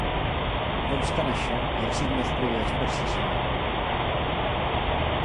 No obstant això, l'èxit no es produeix per si sol.